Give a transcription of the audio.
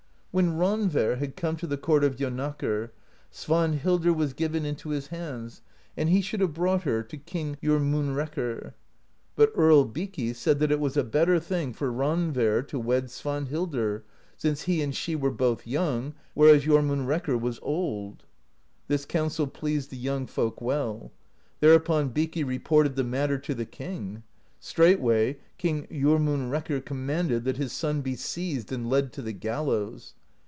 When Randver had come to the court of Jonakr, Svanhildr was given into his hands, and he should have brought her to King Jormunrekkr. But Earl Bikki said that it was a better thing for Randver towed Svandhildr, since he and she were both young, whereas Jormunrekkr was old. This counsel pleased the young folk well. Thereupon Bikki reported the matter to the king. Straightway, King Jormunrekkr com manded that his son be seized and led to the gallows.